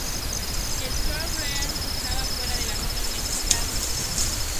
El shortstop Georg Davis, estaba fuera de acción, lesionado.